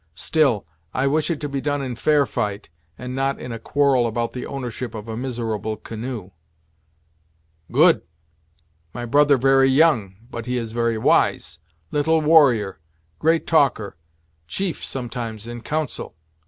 Still, I wish it to be done in fair fight, and not in a quarrel about the ownership of a miserable canoe." "Good! My brother very young but he is very wise. Little warrior great talker. Chief, sometimes, in council."